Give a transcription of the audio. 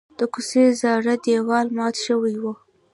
د کوڅې زاړه دیوال مات شوی و.